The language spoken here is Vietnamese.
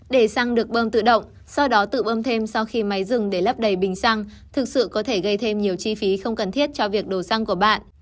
để xăng được bơm tự động sau đó tự bơm thêm sau khi máy rừng để lấp đầy bình xăng thực sự có thể gây thêm nhiều chi phí không cần thiết cho việc đồ xăng của bạn